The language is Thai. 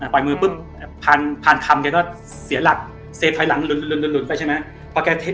ปล่อยมือปุ๊บพานคำแกก็เสียหลักเสพถอยหลังหลุนไปใช่ไหม